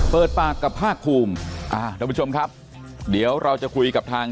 เปิดปากกับผ้าคูมดังผู้ชมครับเดี๋ยวเราจะคุยกับทาง